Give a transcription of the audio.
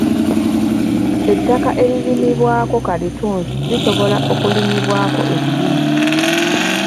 Ettaka eririmibwako kalittunsi lisobola okurimibwako ebirime.